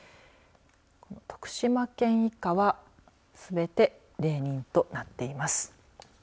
徳島県以下はすべて、０人となっています。